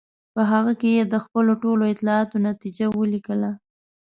په هغه کې یې د خپلو ټولو اطلاعاتو نتیجه ولیکله.